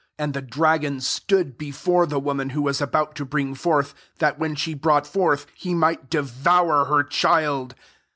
And the dragon stood before the woman who was about to bring forth, that, when she brought forth, he might devour her child.